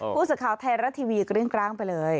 ผู้สิทธิ์ข่าวไทยรัตน์ทีวีกลึ้งกลางไปเลย